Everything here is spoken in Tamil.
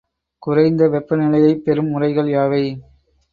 குறைந்த வெப்பநிலையைப் பெறும் முறைகள் யாவை?